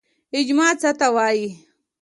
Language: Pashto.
اجماع څه ته وایي؟